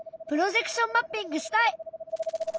プロジェクションマッピングしたい！